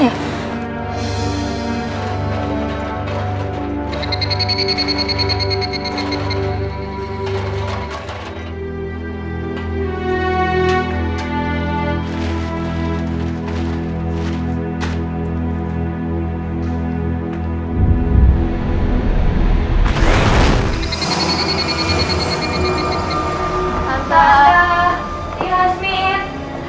yang horus sumbat